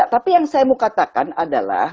tapi yang saya mau katakan adalah